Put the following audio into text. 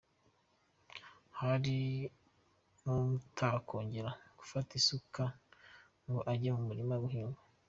Hari n’utakongera gufata isuka ngo ajye mu murima guhinga.